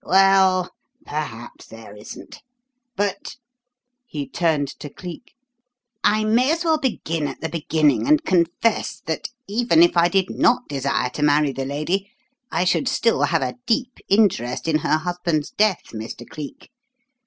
Well, perhaps there isn't. But " he turned to Cleek "I may as well begin at the beginning and confess that even if I did not desire to marry the lady I should still have a deep interest in her husband's death, Mr. Cleek.